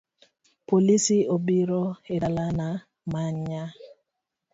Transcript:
Polise obiro e dalana manya